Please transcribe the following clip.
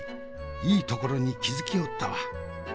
いいところに気付きおったわ。